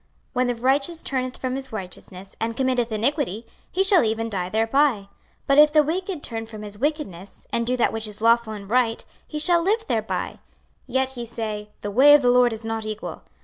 26:033:018 When the righteous turneth from his righteousness, and committeth iniquity, he shall even die thereby. 26:033:019 But if the wicked turn from his wickedness, and do that which is lawful and right, he shall live thereby. 26:033:020 Yet ye say, The way of the Lord is not equal.